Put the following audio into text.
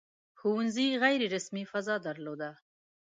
• ښوونځي غیر رسمي فضا درلوده.